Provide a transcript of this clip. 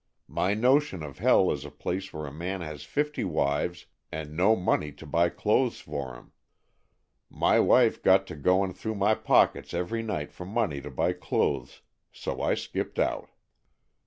My notion of hell is a place where a man has fifty wives and no money to buy clothes for 'em. My wife got to goin' through my pockets every night for money to buy clothes, so I skipped out."